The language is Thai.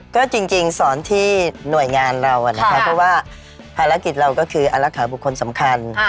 ก็จริงสอนที่หน่วยงานเรานะคะเพราะว่าภารกิจเราก็คืออารักษาบุคคลสำคัญ